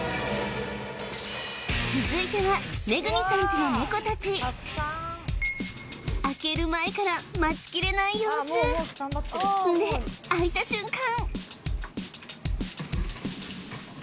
続いては恵さんちのネコたち開ける前から待ちきれない様子んで開いた瞬間